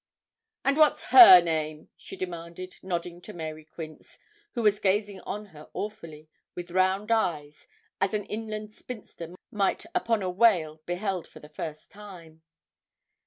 'And what's her name?' she demanded, nodding to Mary Quince, who was gazing on her awfully, with round eyes, as an inland spinster might upon a whale beheld for the first time.